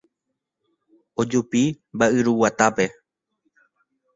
Ojupi mba'yruguatápe.